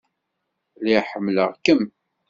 Lliɣ ḥemmleɣ-kem.